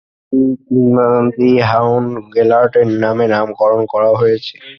এটি কিংবদন্তি হাউন্ড গেলার্টের নামে নামকরণ করা হয়েছে।